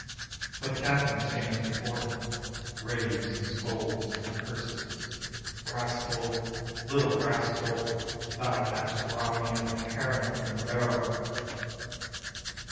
For the captain stands before him, Raves and scolds and curses: "Rascal! Little rascal, thou hast robbed me Of a herring from the barrel."